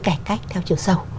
cải cách theo chiều sâu